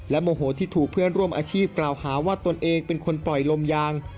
โมโหที่ถูกเพื่อนร่วมอาชีพกล่าวหาว่าตนเองเป็นคนปล่อยลมยาง